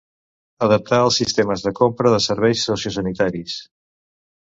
Adaptar els sistemes de compra de serveis sociosanitaris.